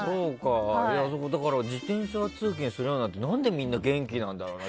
だから自転車通勤するようになって何でみんな元気なんだろうな。